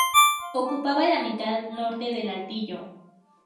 Ocupaba la mitad norte del altillo.